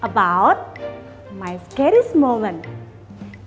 momen paling menakutku